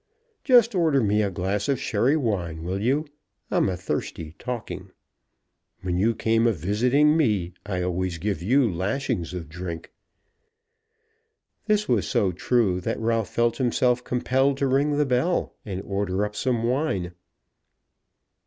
Just order me a glass of sherry wine, will you? I'm a thirsty talking. When you came a visiting me, I always give you lashings of drink." This was so true that Ralph felt himself compelled to ring the bell, and order up some wine.